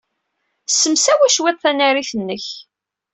Ssemsawi cwiṭ tanarit-nnek.